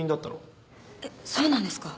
えっそうなんですか？